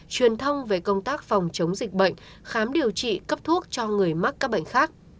truyền thông về công tác phòng chống dịch bệnh khám điều trị cấp thuốc cho người mắc các bệnh khác